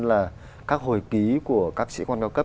là các hồi ký của các sĩ quan cao cấp